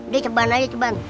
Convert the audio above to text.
dia ceban aja ceban